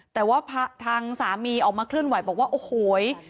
แต่ว่าทางสามีออกมาเคลื่อนไหวบอกว่าโอ้โห